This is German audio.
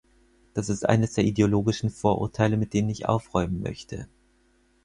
Das ist eines der ideologischen Vorurteile, mit denen ich aufräumen möchte.